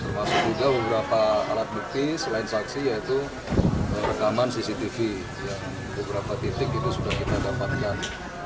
termasuk juga beberapa alat bukti selain saksi yaitu rekaman cctv yang beberapa titik itu sudah kita dapatkan